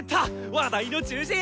話題の中心！